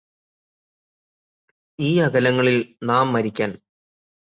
ഈ അകലങ്ങളിൽ നാം മരിക്കാൻ